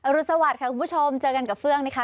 รุนสวัสดิ์ค่ะคุณผู้ชมเจอกันกับเฟื่องนะคะ